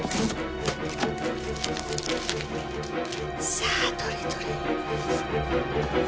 さあどれどれ。